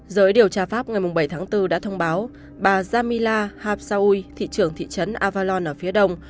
giới điều tra pháp ngày bảy tháng bốn đã thông báo bà jamila hapsawui thị trưởng thị trấn avalon ở phía đông